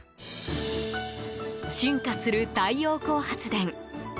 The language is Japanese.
進化する太陽光発電。